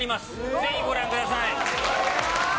ぜひご覧ください。